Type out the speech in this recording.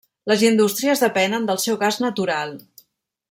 Les indústries depenen del seu gas natural.